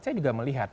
saya juga melihat